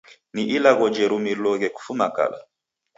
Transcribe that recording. Ni ilagho jererumiriloghe kufuma kala.